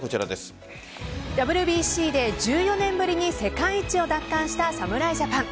ＷＢＣで１４年ぶりに世界一を奪還した侍ジャパン。